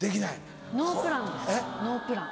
ノープランですノープラン。